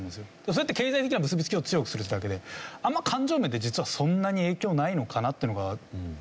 そうやって経済的には結び付きを強くするってだけであんまり感情面で実はそんなに影響ないのかなっていうのが。